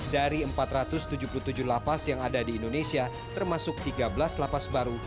dari empat ratus tujuh puluh tujuh lapas yang ada di indonesia termasuk tiga belas lapas baru